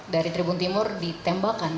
dari tribun timur ditembakan